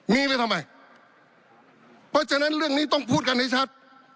มีไปทำไมเพราะฉะนั้นเรื่องนี้ต้องพูดกันให้ชัด